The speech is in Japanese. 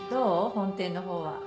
本店のほうは。